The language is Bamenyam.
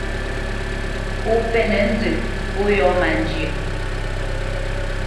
Pó mpénə̄ nzə pó yɔ̂ má njyə́.